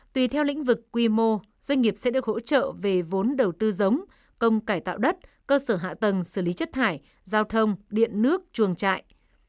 tùy theo lĩnh vực quy mô doanh nghiệp sẽ được hỗ trợ về vốn đầu tư giống công cải tạo đất cơ sở hạ tầng xử lý chất thải giao thông điện nước chuồng trại